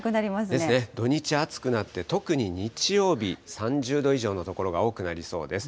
ですね、土日、暑くなって、特に日曜日、３０度以上の所が多くなりそうです。